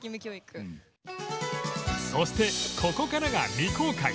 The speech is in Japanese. そしてここからが未公開！